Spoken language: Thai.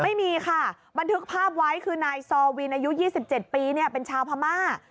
ไม่มีค่ะบันทึกภาพไว้คือนายซอวินอายุ๒๗ปีเป็นชาวพม่า